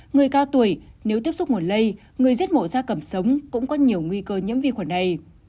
người cao tuổi nếu tiếp xúc nguồn lây người giết mổ da cầm sống cũng có nhiều nguy cơ nhiễm vi khuẩn này